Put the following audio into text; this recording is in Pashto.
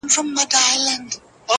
خیر دی قبر ته دي هم په یوه حال نه راځي